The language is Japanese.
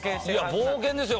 いや冒険ですよ。